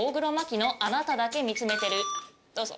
どうぞ。